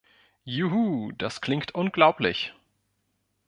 Juhu! Das klingt unglaublich!